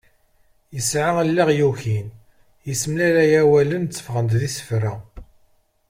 Ɣur-s allaɣ yukin, yessemlalay awalen tteffɣen-d d isefra.